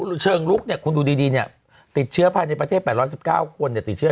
ถึงดีเนี่ยติดเชื้อภายในประเทศ๘๑๙คนเนี่ยเนี่ยติดเชื้อ